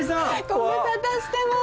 ご無沙汰してまーす